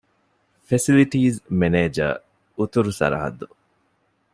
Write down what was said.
ފެސިލިޓީސް މެނޭޖަރ - އުތުރު ސަރަހައްދު